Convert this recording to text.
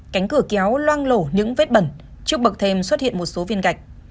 cánh cửa kéo loang lổ những vết bẩn trước bậc thêm xuất hiện một số viên gạch